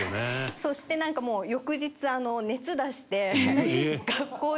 そしてなんかもう翌日ハハハハ！